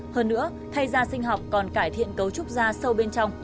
hơn nữa thay da sinh học còn cải thiện cấu trúc da sâu bên trong